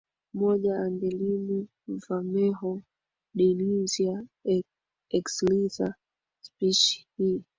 moja Angelim vermelho Dinizia Exelsa Spishi hii